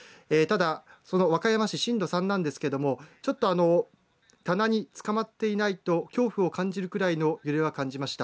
ただ、その和歌山市、震度３なんですけども、ちょっと棚につかまっていないと恐怖を感じるくらいの揺れは感じました。